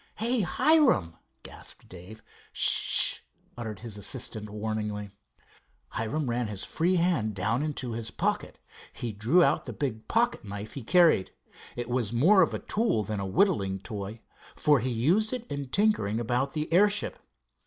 "Hey, Hiram!" gasped Dave. "S sh!" uttered his assistant warningly. Hiram ran his free hand down into his pocket. He drew out the big pocket knife he carried. It was more of a tool than a whittling toy, for he used it in tinkering about the airship.